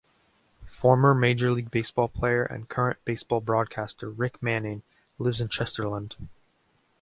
Former Major League Baseball player and current baseball broadcaster Rick Manning lives in Chesterland.